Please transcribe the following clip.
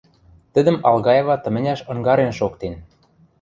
Тӹдӹм Алгаева тыменяш ынгарен шоктен.